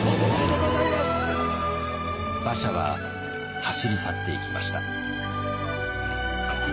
馬車は走り去っていきました。